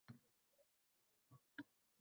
Vale meni topding